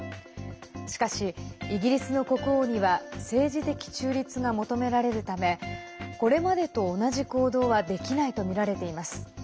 しかし、イギリスの国王には政治的中立が求められるためこれまでと同じ行動はできないとみられています。